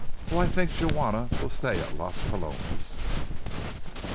Oh, I think Juana will stay at Las Palomas."